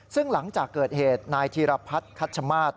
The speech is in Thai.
ซึ่งหลังจากเกิดเหตุนายธีรพัฒน์คัชมาศ